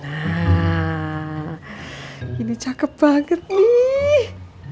ah ini cakep banget nih